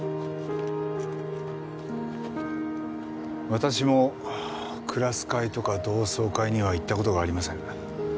私もクラス会とか同窓会には行った事がありません。